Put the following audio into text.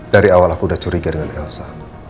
dari awal aku udah curiga dengan elsa